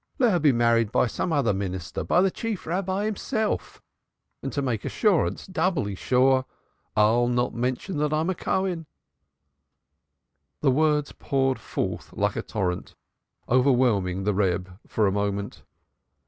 Let her be married by some other minister by the Chief Rabbi himself, and to make assurance doubly sure I'll not mention that I'm a Cohen" The words poured forth like a torrent, overwhelming the Reb for a moment.